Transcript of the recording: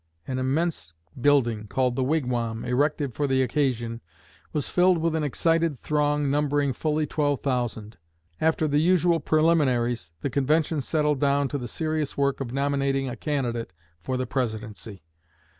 An immense building called "The Wigwam," erected for the occasion, was filled with an excited throng numbering fully twelve thousand. After the usual preliminaries the convention settled down to the serious work of nominating a candidate for the Presidency.